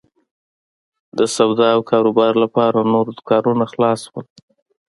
د سودا او کاروبار لپاره نور دوکانونه خلاص شول.